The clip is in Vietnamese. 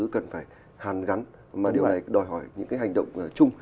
cần phải hàn gắn mà điều này đòi hỏi những cái hành động chung